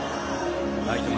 ライト前。